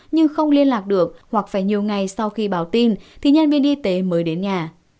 nhưng không liên lạc được hoặc phải nhiều ngày sau khi báo tin thì nhân viên y tế mới đến nhà